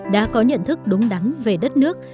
đã có nhận thức đúng đắn về đất nước